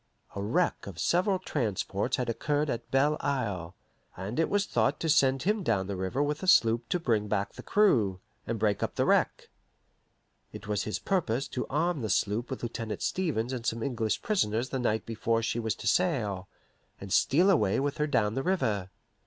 A wreck of several transports had occurred at Belle Isle, and it was thought to send him down the river with a sloop to bring back the crew, and break up the wreck. It was his purpose to arm his sloop with Lieutenant Stevens and some English prisoners the night before she was to sail, and steal away with her down the river.